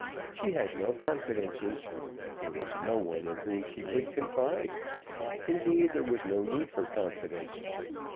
She had no confidences. There was no one in whom she could confide. Indeed, there was no need for confidence.